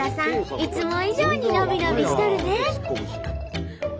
いつも以上に伸び伸びしとるね！